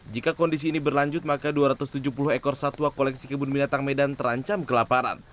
jika kondisi ini berlanjut maka dua ratus tujuh puluh ekor satwa koleksi kebun binatang medan terancam kelaparan